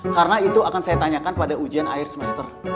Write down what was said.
karena itu akan saya tanyakan pada ujian akhir semester